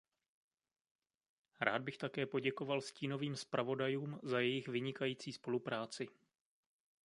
Rád bych také poděkoval stínovým zpravodajům za jejich vynikající spolupráci.